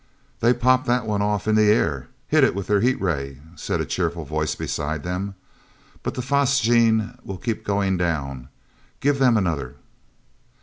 "They popped that one off in the air—hit it with their heat ray," said a cheerful voice beside them. "But the phosgene will keep on going down. Give them another!"